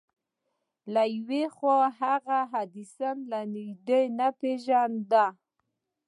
له يوې خوا هغه ايډېسن له نږدې نه پېژانده.